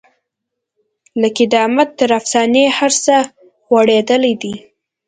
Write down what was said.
له قدامت تر افسانې هر څه غوړېدلي دي.